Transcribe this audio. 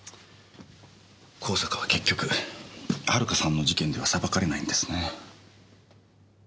香坂は結局遥さんの事件では裁かれないんですね。